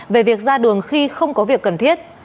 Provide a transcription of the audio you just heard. về việc ra đường khi không có việc cần thiết